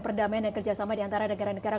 perdamaian dan kerjasama diantara negara negara